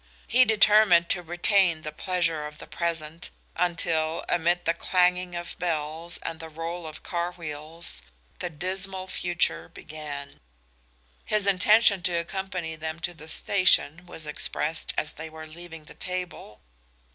He determined to retain the pleasures of the present until, amid the clanging of bells and the roll of car wheels, the dismal future began. His intention to accompany them to the station was expressed as they were leaving the table.